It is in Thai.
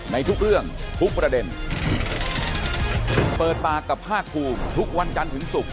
ในทุกเรื่องทุกประเด็นเปิดปากกับภาคภูมิทุกวันจันทร์ถึงศุกร์